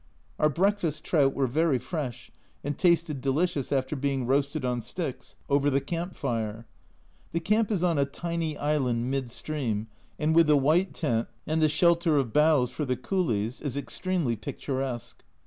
Our breakfast trout were very fresh, and tasted delicious after being roasted on sticks over the camp fire. The camp is on a tiny island mid stream, and with the white tent, and the shelter of boughs for the coolies, is extremely picturesque.